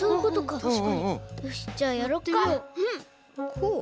こう？